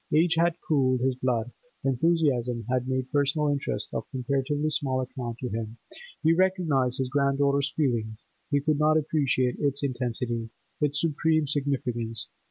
Age had cooled his blood; enthusiasm had made personal interests of comparatively small account to him; he recognised his granddaughter's feeling, but could not appreciate its intensity, its supreme significance.